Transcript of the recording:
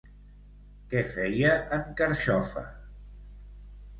Què feia en Carxofa?